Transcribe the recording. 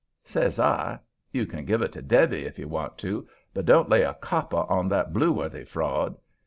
Says I: 'You can give it to Debby, if you want to, but don't lay a copper on that Blueworthy fraud.'